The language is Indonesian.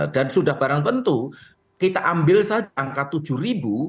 dan sudah barang tentu kita ambil saja angka rp tujuh